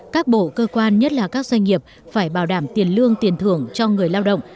các bộ cơ quan nhất là các doanh nghiệp phải bảo đảm tiền lương tiền thưởng cho người lao động